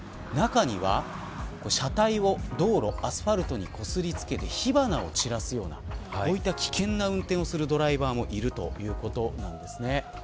中には、車体を道路のアスファルトにこすり付けて火花を散らすようなこういった危険な運転をするドライバーもいるということです。